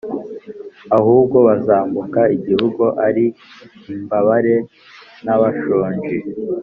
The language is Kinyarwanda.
Ahubwo bazambuka igihugu, ari imbabare n’abashonji,